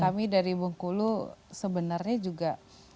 kami dari bengkulu sebenarnya juga